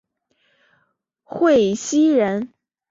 讳熙仁。